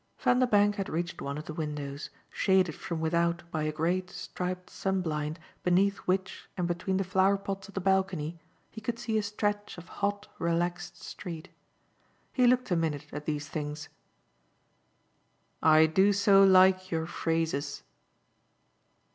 Vanderbank had reached one of the windows, shaded from without by a great striped sun blind beneath which and between the flower pots of the balcony he could see a stretch of hot relaxed street. He looked a minute at these things. "I do so like your phrases!"